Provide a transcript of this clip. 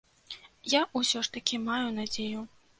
Я ўсё ж такі маю надзею.